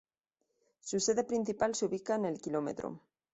Su sede principal se ubica en el Km.